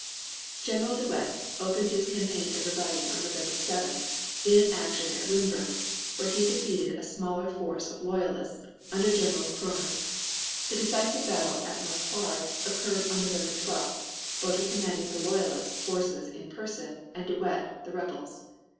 General De Wet opened his campaign of rebellion on November 7th in an action at Wimburg, where he defeated a smaller force of Loyalists under General Cronje. The decisive battle at Marquard occurred on November 12th, Botha commanding the Loyalists forces in person and De Wet the rebels.